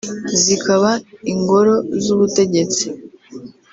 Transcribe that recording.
zikaba ingoro z’ubutegetsi